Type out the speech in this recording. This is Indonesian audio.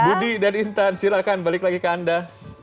budi dan intan silakan balik lagi ke anda